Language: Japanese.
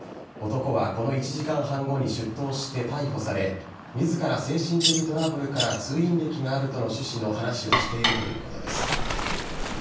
男はこの１時間半後に出頭して逮捕され、みずから精神的トラブルから通院歴があるとの趣旨の話をしているということです。